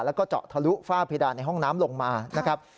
แล้วก็เจาะทะลุฝ้าเพดานในห้องน้ำลงมานะครับ